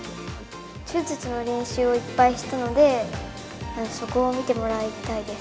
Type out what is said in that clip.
手術の練習をいっぱいしたので、そこを見てもらいたいです。